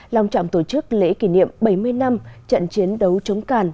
lòng trọng tổ chức lễ kỷ niệm bảy mươi năm trận chiến đấu chống càn